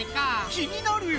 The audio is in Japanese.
気になるよ！